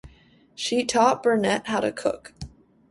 She taught Burnett how to cook.